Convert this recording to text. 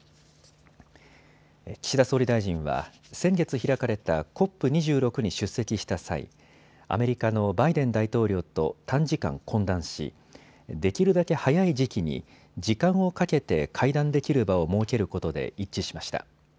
岸田総理大臣は先月開かれたＣＯＰ２６に出席した際、アメリカのバイデン大統領と短時間懇談し、できるだけ早い時期に時間をかけて会談できる場を設けることで一致しました。